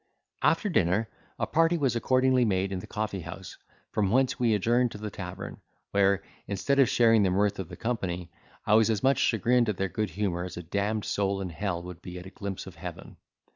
After dinner, a party was accordingly made in the coffee house, from whence we adjourned to the tavern, where, instead of sharing the mirth of the company, I was as much chagrined at their good humour as a damned soul in hell would be at a glimpse of heaven.